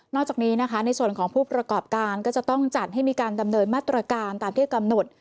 จากนี้นะคะในส่วนของผู้ประกอบการก็จะต้องจัดให้มีการดำเนินมาตรการตามที่กำหนด